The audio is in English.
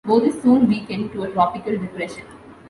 Boris soon weakened to a tropical depression.